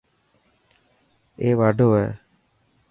اي واڍو هي.